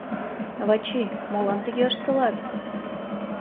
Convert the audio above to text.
Вачи, молан тыге ыштылат?